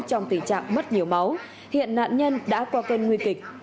trong tình trạng bất nhiều máu hiện nạn nhân đã qua kênh nguy kịch